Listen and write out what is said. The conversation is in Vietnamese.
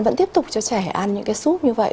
vẫn tiếp tục cho trẻ ăn những cái súp như vậy